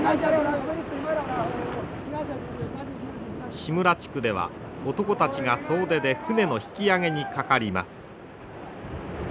新村地区では男たちが総出で船の引き上げにかかります。